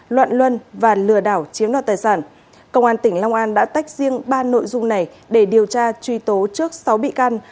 luận luân và lừa đảo chiếm đoạt tài sản công an tp hcm đã tách riêng ba nội dung này để điều tra truy tố trước sáu bị can